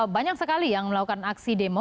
banyak sekali yang melakukan aksi demo